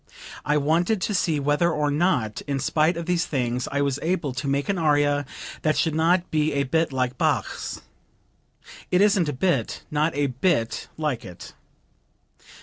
I wanted to see whether or not in spite of these things I was able to make an aria that should not be a bit like Bach's. It isn't a bit, not a bit like it."